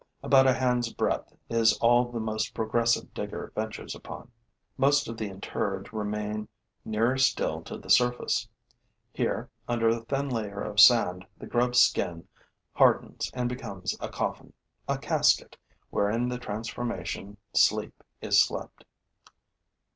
About a hand's breadth is all that the most progressive digger ventures upon. Most of the interred remain nearer still to the surface. Here, under a thin layer of sand, the grub's skin hardens and becomes a coffin, a casket, wherein the transformation sleep is slept.